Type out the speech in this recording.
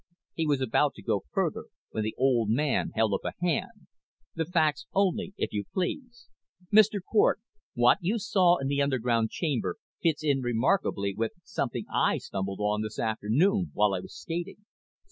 He was about to go further when the old man held up a hand. "The facts only, if you please. Mr. Cort, what you saw in the underground chamber fits in remarkably with something I stumbled on this afternoon while I was skating."